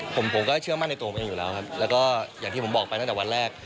ผมผมก็เชื่อมั่นในตัวผมเองอยู่แล้วครับแล้วก็อย่างที่ผมบอกไปตั้งแต่วันแรก